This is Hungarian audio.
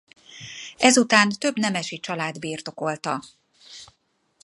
Ezután több nemesi család birtokolta.